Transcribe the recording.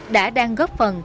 đã đang góp phần